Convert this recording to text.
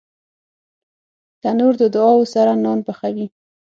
تنور د دعاوو سره نان پخوي